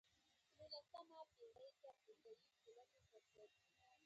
په زندان کې د ده د شان وړ دسترخوان نه و.